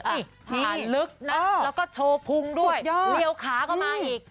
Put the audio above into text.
นี่ผ่านลึกนะแล้วก็โชว์พุงด้วยเลี้ยวขาก็มาอีก